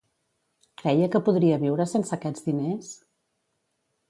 Creia que podria viure sense aquests diners?